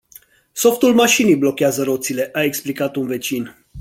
Softul mașinii blochează roțile a explicat un vecin.